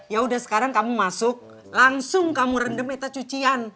yaudah sekarang kamu masuk langsung kamu rendam etak cucian